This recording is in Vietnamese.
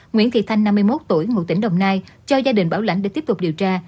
nguyễn thị thanh năm mươi một tuổi ngụ tỉnh đồng nai cho gia đình bảo lãnh để tiếp tục điều tra